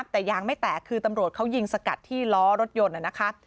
แต่ยางไม่แตกคือตำรวจเขายิงสกัดที่ล้อรถยนต์นะคะ